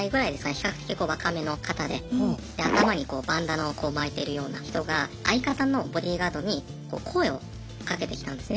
比較的若めの方で頭にこうバンダナをこう巻いてるような人が相方のボディーガードに声をかけてきたんですね。